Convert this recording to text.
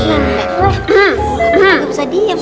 uratnya kagak bisa diem